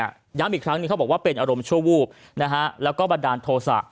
ย้ำอีกครั้งหนึ่งเขาบอกว่าเป็นอารมณ์ชั่ววูบนะฮะแล้วก็บันดาลโทษะ